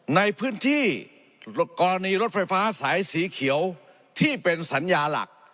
ในพื้นที่กรณีรถไฟฟ้าสายสีเขียวที่เป็นสัญญาหลัก